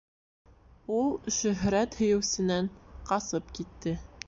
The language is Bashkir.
Ул шөһрәт һөйөүсенән ҡасып китте.